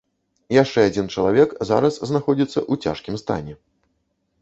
Яшчэ адзін чалавек зараз знаходзіцца ў цяжкім стане.